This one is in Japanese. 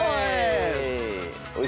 おい！